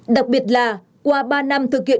đặc biệt là qua ba năm thực hiện